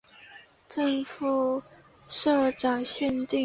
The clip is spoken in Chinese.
正副社长限定